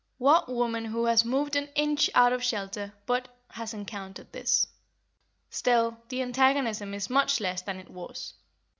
What woman who has moved an inch out of shelter, but has encountered this? Still, the antagonism is much less than it was.